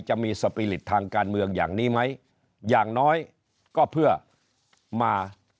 จะมีสปีริตทางการเมืองอย่างนี้ไหมอย่างน้อยก็เพื่อมา